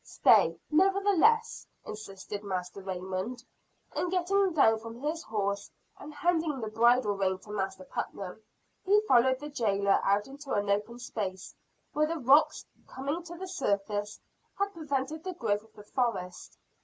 "Stay, nevertheless," insisted Master Raymond. And getting down from his horse, and handing the bridle rein to Master Putnam, he followed the jailer out into an open space, where the rocks coming to the surface, had prevented the growth of the forest.